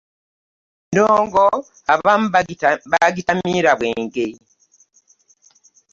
Endongo abamu baagitamiira bwenge.